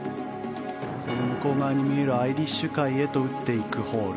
向こう側に見えるアイリッシュ海に打っていくホール。